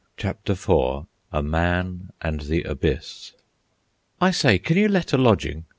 CHAPTER IV. A MAN AND THE ABYSS "I say, can you let a lodging?"